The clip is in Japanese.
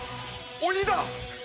鬼だ。